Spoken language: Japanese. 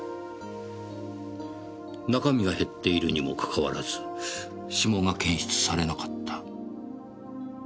中身が減っているにもかかわらず指紋が検出されなかった。